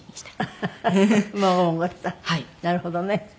なるほどね。